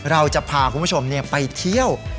เราจะพาคุณผู้ชมไปเที่ยว